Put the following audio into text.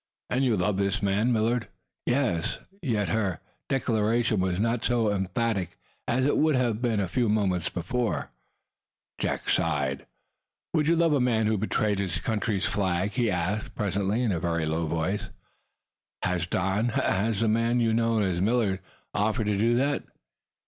"And you love this man, Millard?" "Yes!" Yet her declaration was not so emphatic as it would have been a few moments before. Jack Benson sighed. "Would you love a man who had betrayed his country's flag?" he asked, presently, in a very low voice. "Has Don has the man you know as Millard offered to do that?"